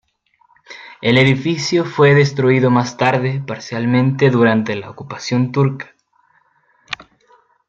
El edificio fue destruido más tarde parcialmente durante la ocupación turca.